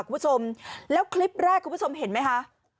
คุณผู้ชมแล้วคลิปแรกคุณผู้ชมเห็นไหมคะ